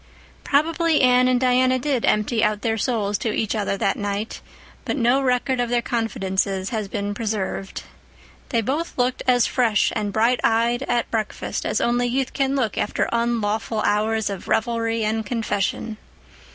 Probably Anne and Diana did empty out their souls to each other that night, but no record of their confidences has been preserved. They both looked as fresh and bright eyed at breakfast as only youth can look after unlawful hours of revelry and confession.